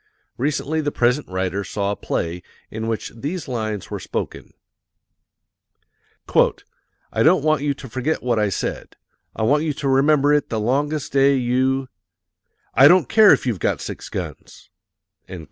Recently the present writer saw a play in which these lines were spoken: "I don't want you to forget what I said. I want you to remember it the longest day you I don't care if you've got six guns."